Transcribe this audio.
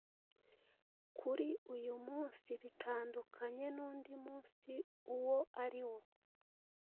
Kuri uyu munsi, bitandukanye n’undi munsi uwo ari wo